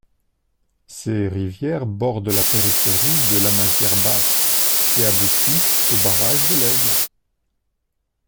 Ces rivières bordent la périphérie de Lamazière-Basse et aboutissent au barrage de l'Aigle.